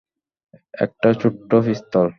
একটা ছোট্ট পিস্তল।